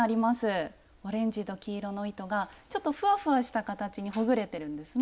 オレンジと黄色の糸がちょっとフワフワした形にほぐれてるんですね。